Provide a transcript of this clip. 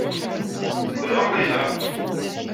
Tebra Layla.